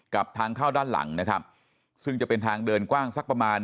กับทางเข้าด้านหลังนะครับซึ่งจะเป็นทางเดินกว้างสักประมาณ